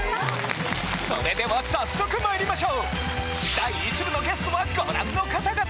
それでは早速まいりましょうのゲストはご覧の方々。